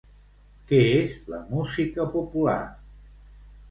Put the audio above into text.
Què és la música popular?